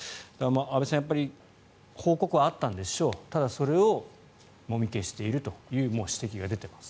安部さん報告はあったんでしょうただ、それをもみ消しているという指摘が出ています。